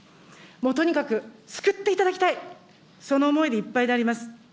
もうとにかく、救っていただきたい、その思いでいっぱいであります。